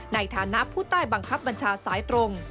ในฐานะผู้ใต้บังคับบัญชาสายตรง